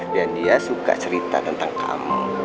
dan dia suka cerita tentang kamu